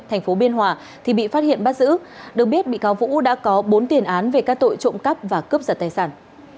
thành phố biên hòa thì bị phát hiện bắt giữ được biết bị cáo vũ đã có bốn tiền án về các tội trộm cắp và cướp giật tài sản